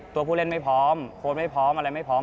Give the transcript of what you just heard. ตัวผู้เล่นไม่พร้อมโค้ดไม่พร้อมอะไรไม่พร้อม